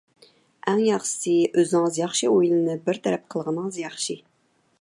ئەڭ ياخشىسى، ئۆزىڭىز ياخشى ئويلىنىپ بىر تەرەپ قىلغىنىڭىز ياخشى.